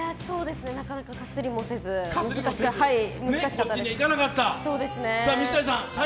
なかなか、かすりもせず難しかったです。